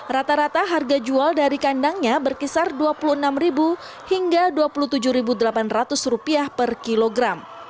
rata rata harga jual dari kandangnya berkisar rp dua puluh enam hingga rp dua puluh tujuh delapan ratus per kilogram